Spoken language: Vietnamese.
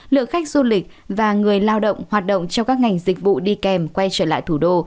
lượng khách du lịch và người lao động hoạt động trong các ngành dịch vụ đi kèm quay trở lại thủ đô